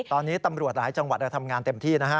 ตอนนี้ตำรวจหลายจังหวัดทำงานเต็มที่นะฮะ